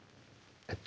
えっと